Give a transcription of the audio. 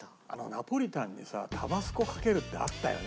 ナポリタンにさタバスコかけるってあったよね。